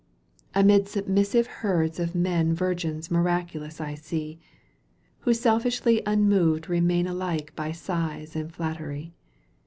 Amid submissive herds of men Virgins miraculous I see, '^ Who selfishly immoved remain ~ Alike by sighs and flattery.